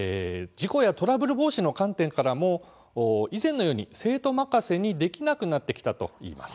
事故やトラブル防止の観点からも以前のように生徒任せにできなくなってきたといいます。